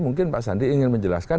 mungkin pak sandi ingin menjelaskan